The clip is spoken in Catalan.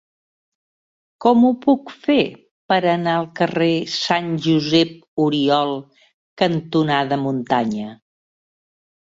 Com ho puc fer per anar al carrer Sant Josep Oriol cantonada Muntanya?